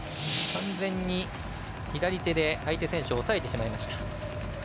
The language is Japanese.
完全に左手で相手選手を押さえてしまいました。